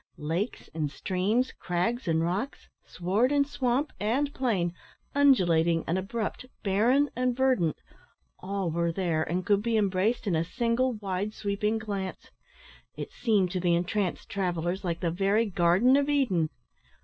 Lakes and streams, crags and rocks, sward, and swamp, and plain undulating and abrupt, barren and verdant all were there, and could be embraced in a single wide sweeping glance. It seemed, to the entranced travellers, like the very garden of Eden.